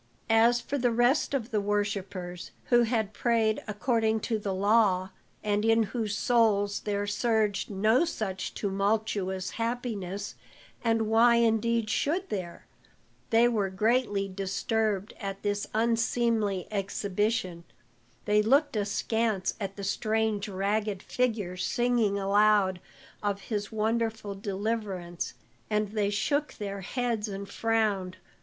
As for the rest of the worshippers, who had prayed according to the law, and in whose souls there surged no such tumultuous happiness and why indeed should there? they were greatly disturbed at this unseemly exhibition. They looked askance at the strange ragged figure singing aloud of his wonderful deliverance, and they shook their heads and frowned.